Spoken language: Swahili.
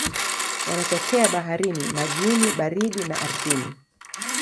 Wanatokea baharini, majini baridi na ardhini.